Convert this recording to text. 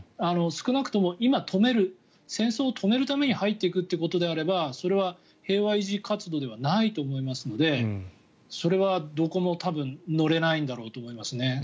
少なくとも今止める戦争を止めるために入っていくということであればそれは平和維持活動ではないと思いますのでそれはどこも乗れないんだろうと思いますね。